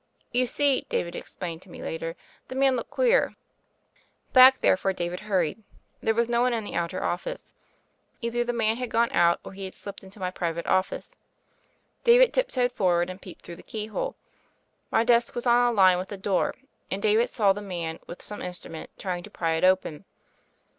"You see," David explained to me later, "the man looked queer." Back therefore David hurried: there was no one in the outer office. Either the man had gone out, or he had slipped into my private office. David tiptoed forward and peeped through the keyhole. My desk was on a tine with the door, and David saw the man with some instrument trying to pry it open.